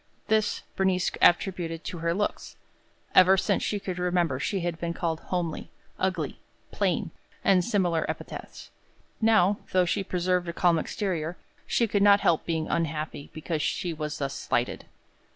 This Bernice attributed to her looks. Ever since she could remember, she had been called "homely," "ugly," "plain," and similar epithets. Now, though she preserved a calm exterior, she could not help being unhappy because she was thus slighted.